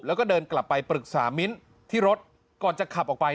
แล้วก็เดินกลับไปปรึกษามิ้นที่รถก่อนจะขับออกไป